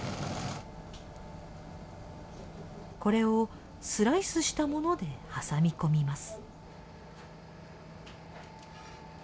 これをスライスしたもので挟み込みます。